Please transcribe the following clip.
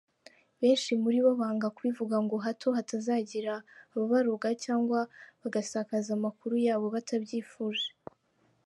Benshi muri bo banga kubivuga ngo hato hatazagira ababaroga cyangwa bagasakaza amakuru yabo batabyifuza.